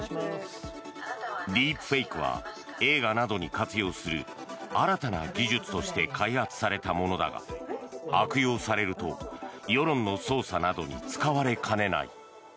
ディープフェイクは映画などに活用する新たな技術として開発されたものだが悪用されると、世論の操作などに使われかねない。